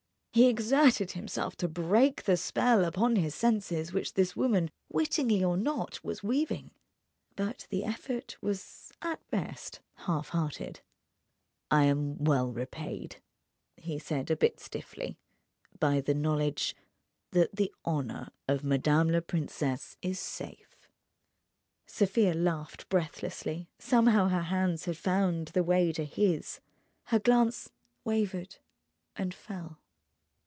He exerted himself to break the spell upon his senses which this woman, wittingly or not, was weaving. But the effort was at best half hearted. "I am well repaid," he said a bit stiffly, "by the knowledge that the honour of madame la princesse is safe." Sofia laughed breathlessly. Somehow her hands had found the way to his. Her glance wavered and fell.